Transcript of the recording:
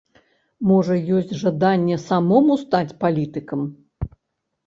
Можа ёсць жаданне самому стаць палітыкам?